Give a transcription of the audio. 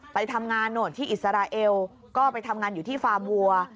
ไปทำงานโน่นที่อิสราเอลก็ไปทำงานอยู่ที่ฟาร์มวัว